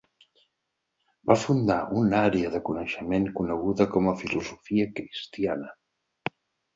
Va fundar una àrea de coneixement coneguda com a filosofia cristiana.